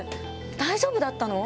大丈夫だったの？